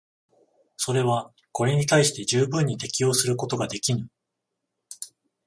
それはこれに対して十分に適応することができぬ。